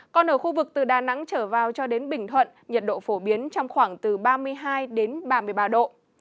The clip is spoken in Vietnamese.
còn ở khu vực từ đà nẵng trở vào cho đến bình thuận nhiệt độ phổ biến trong khoảng từ ba mươi hai đến ba mươi ba độ